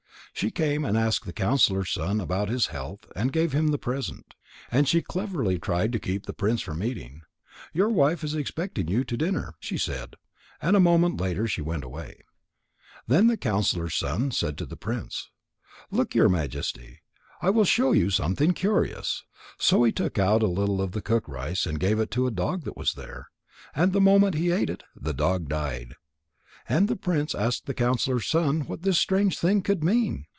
She came and asked the counsellor's son about his health and gave him the present. And she cleverly tried to keep the prince from eating. "Your wife is expecting you to dinner," she said, and a moment later she went away. Then the counsellor's son said to the prince: "Look, your Majesty. I will show you something curious." So he took a little of the cooked rice and gave it to a dog that was there. And the moment he ate it, the dog died. And the prince asked the counsellor's son what this strange thing could mean.